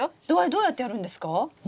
どうやってやるんですか？